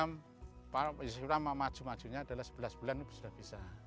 masih maju majunya adalah sebelas bulan sudah bisa